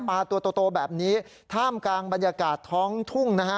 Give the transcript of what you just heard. ตัวโตแบบนี้ท่ามกลางบรรยากาศท้องทุ่งนะฮะ